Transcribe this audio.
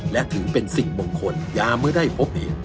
และถือเป็นสิ่งมงคลยาเมื่อได้พบเห็น